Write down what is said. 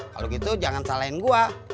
kalau gitu jangan salahin gue